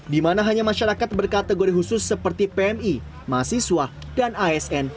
di mana hanya masyarakat berkategori khusus seperti pmi mahasiswa dan asn